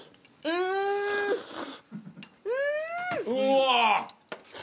うわ！